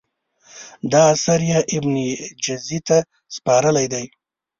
دا اثر یې ابن جزي ته سپارلی دی.